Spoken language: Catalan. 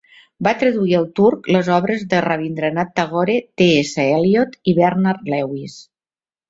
Va traduir al turc les obres de Rabindranath Tagore, TS Eliot i Bernard Lewis.